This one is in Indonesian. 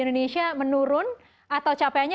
indonesia menurun atau capaiannya